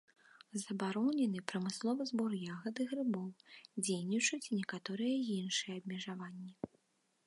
Забаронены прамысловы збор ягад і грыбоў, дзейнічаюць і некаторыя іншыя абмежаванні.